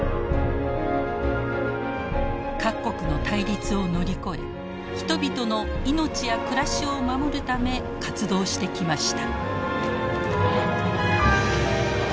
各国の対立を乗り越え人々の命や暮らしを守るため活動してきました。